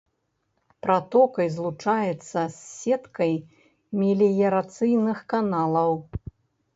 Пратокай злучаецца з сеткай меліярацыйных каналаў.